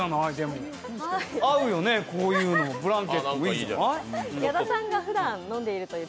合うよね、こういうのブランケットもいいじゃない。